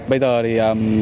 bây giờ thì